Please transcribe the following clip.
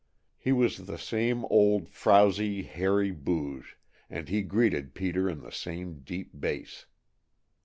He was the same old, frowsy, hairy Booge, and he greeted Peter in the same deep bass.